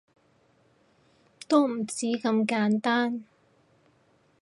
都唔止咁簡單